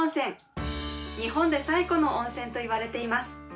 日本で最古の温泉といわれています。